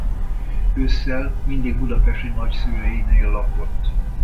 Ősszel mindig budapesti nagyszüleinél lakott.